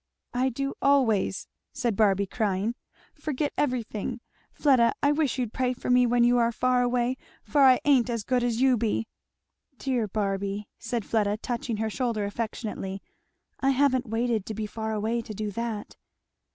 "I do, always," said Barby crying, "forget everything. Fleda, I wish you'd pray for me when you are far away, for I ain't as good as you be." "Dear Barby," said Fleda, touching her shoulder affectionately, "I haven't waited to be far away to do that."